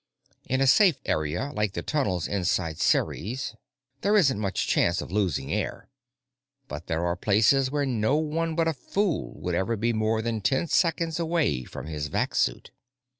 In a "safe" area like the tunnels inside Ceres, there isn't much chance of losing air, but there are places where no one but a fool would ever be more than ten seconds away from his vac suit.